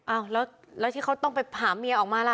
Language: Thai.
อ้าวแล้วที่เขาต้องไปหาเมียออกมาล่ะ